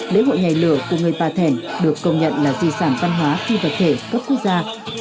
lễ hội nhảy lửa của người bà thẻn được công nhận là di sản văn hóa phi vật thể cấp quốc gia